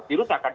itu tak akan